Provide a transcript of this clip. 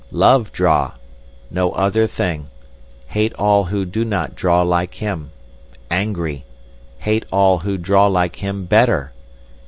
Love draw. No other thing. Hate all who not draw like him. Angry. Hate all who draw like him better.